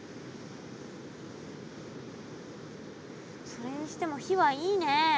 それにしても火はいいねえ。